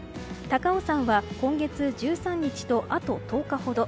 高尾さんは今月１３日とあと１０日ほど。